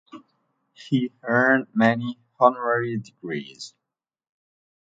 He earned many honorary degrees.